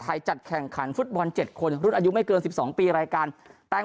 จัดแข่งขันฟุตบอล๗คนรุ่นอายุไม่เกิน๑๒ปีรายการแต่ง